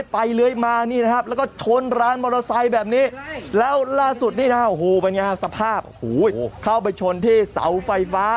เป็นอย่างไรครับสภาพเข้าไปชนที่เสาไฟฟ้า